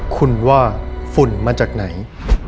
คุณว่าฝุ่นมาจากไหน